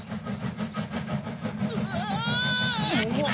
うわ！